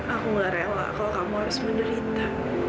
aku gak rela kalau kamu harus menderita